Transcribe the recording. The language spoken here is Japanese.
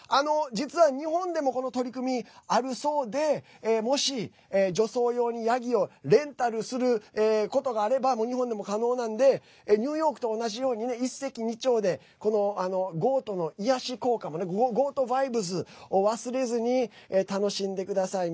実は日本でもこの取り組みあるそうでもし、除草用にヤギをレンタルすることがあれば日本でも可能なのでニューヨークと同じように一石二鳥でこのゴートの癒やし効果ゴートバイブスを忘れずに楽しんでください。